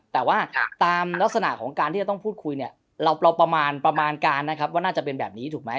แต่ว่าตามลักษณะของการที่จะต้องพูดคุยเนี่ยเราประมาณประมาณการนะครับว่าน่าจะเป็นแบบนี้ถูกไหม